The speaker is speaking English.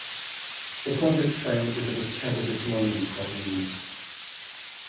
The project failed because of tether deployment problems.